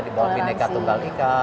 di bawah bineka tunggal ika